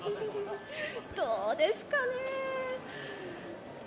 どうですかね